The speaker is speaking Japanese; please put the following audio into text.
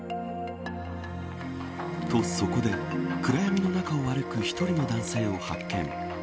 そこで、暗闇の中を歩く１人の男性を発見。